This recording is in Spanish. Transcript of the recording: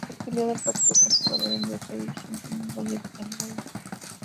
Estuvo afiliado al Partido Conservador, donde fue dirigente en el Valle de Albaida.